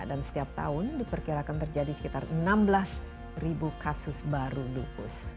dan setiap tahun diperkirakan terjadi sekitar enam belas kasus baru lupus